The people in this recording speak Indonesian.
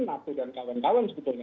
nato dan kawan kawan sebetulnya